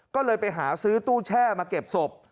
ก็เลยไปหาซื้อตู้แช่มาเก็บศพ